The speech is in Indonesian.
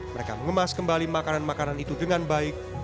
mereka mengemas kembali makanan makanan itu dengan baik